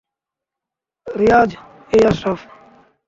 রিয়াজ, এই আশরাফ।